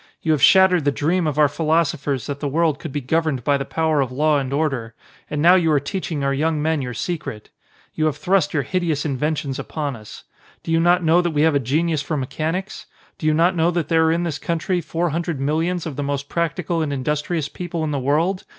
You have shattered the dream of our philosophers that the world could be governed by the power of law and order. And now you are teaching our young men your secret. You have thrust your hideous inventions upon us. Do you not know that we have a genius for mechanics? Do you not know that there are in this country four hundred millions of the most practical and industrious people in the world?